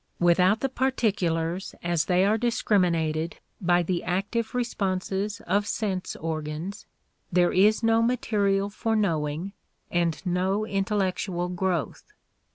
Without the particulars as they are discriminated by the active responses of sense organs, there is no material for knowing and no intellectual growth.